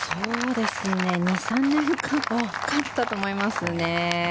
２３年かかったと思いますね。